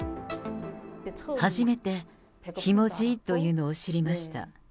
初めてひもじいというのを知りました。